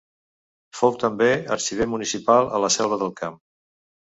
Fou també arxiver municipal a La Selva del Camp.